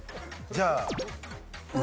じゃあ上。